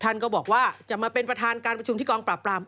ท่านก็บอกว่าจะมาเป็นประธานการประชุมที่กองปราบปราม